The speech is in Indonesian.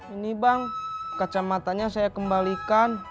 ini bang kacamatanya saya kembalikan